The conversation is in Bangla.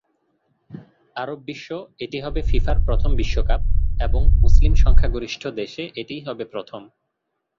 আরব বিশ্ব এটি হবে ফিফার প্রথম বিশ্বকাপ এবং মুসলিম সংখ্যাগরিষ্ঠ দেশে এটিই হবে প্রথম।